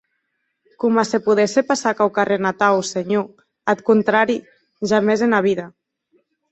Coma se podesse passar quauquarren atau, senhor; ath contrari, jamès ena vida.